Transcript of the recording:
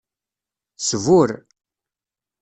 Sburr.